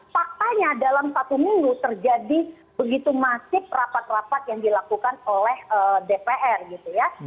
faktanya dalam satu minggu terjadi begitu masif rapat rapat yang dilakukan oleh dpr gitu ya